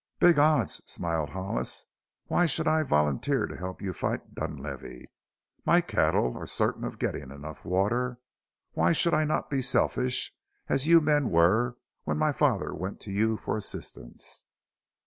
"Big odds," smiled Hollis. "Why should I volunteer to help you fight Dunlavey? My cattle are certain of getting enough water. Why should I not be selfish, as you men were when my father went to you for assistance?"